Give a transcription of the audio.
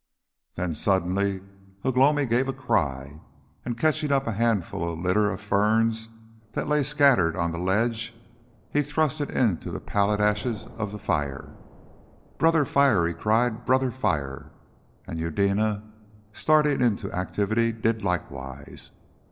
Then suddenly Ugh lomi gave a cry, and catching up a handful of the litter of ferns that lay scattered on the ledge, he thrust it into the pallid ash of the fire. "Brother Fire!" he cried, "Brother Fire!" And Eudena, starting into activity, did likewise.